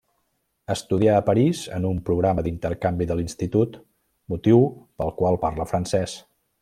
Estudià a París en un programa d'intercanvi de l'Institut, motiu pel qual parla francès.